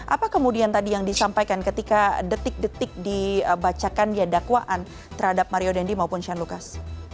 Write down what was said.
apa kemudian tadi yang disampaikan ketika detik detik dibacakan dakwaan terhadap mario dendi maupun shane lucas